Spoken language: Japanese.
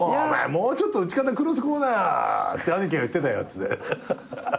もうちょっと打ち方クロスこうだ！って兄貴が言ってたよって。